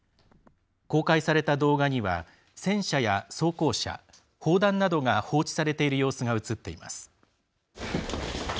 公開された動画には戦車や装甲車砲弾などが放置されている様子が映っています。